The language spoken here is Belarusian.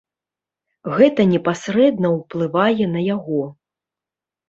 Гэта непасрэдна ўплывае на яго.